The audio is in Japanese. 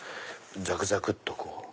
ザクザクっと。